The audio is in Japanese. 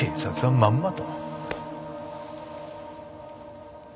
まんまと？